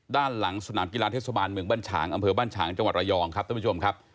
ด้านหลังสนามกีฬาเทศบาลเมืองบ้านฉางอำเภอบ้านฉางจังหวัดระยองครับท่านผู้ชมครับ